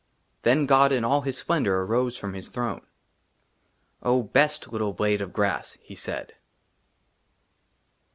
*' THEN GOD, IN ALL HIS SPLENDOR, AROSE FROM HIS THRONE. " OH, BEST LITTLE BLADE OF GRASS !" HE SAID.